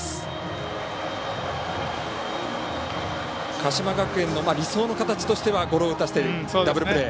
鹿島学園の理想の形はゴロを打たせてダブルプレー。